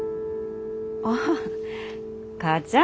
ああ母ちゃん。